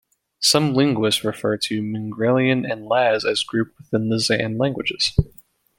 Some linguists refer to Mingrelian and Laz as grouped within the Zan languages.